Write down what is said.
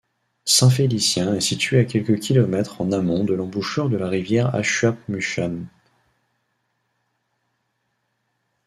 Saint-Félicien est située à quelques kilomètres en amont de l'embouchure de la rivière Ashuapmushuan.